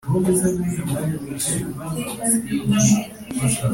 data atunze inka ijana atunze inka zingahe’ inka ijana